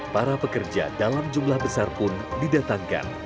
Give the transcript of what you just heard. para pekerja dalam jumlah besar pun didatangkan